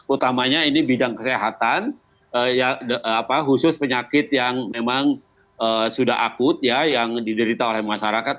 utamanya ini bidang kesehatan khusus penyakit yang memang sudah akut ya yang diderita oleh masyarakat